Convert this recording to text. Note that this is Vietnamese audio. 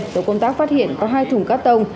tổ công tác phát hiện có hai thùng cát tông